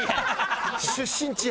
出身地や。